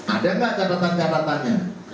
ada nggak catatan catatannya